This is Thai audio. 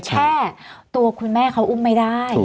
แค่ตัวคุณแม่เขาอุ้มไม่ได้